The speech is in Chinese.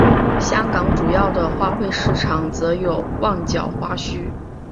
香港主要的花卉市场则有旺角花墟。